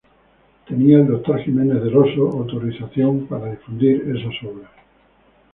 tenía el Dr. Jiménez del Oso autorización para difundir esas obras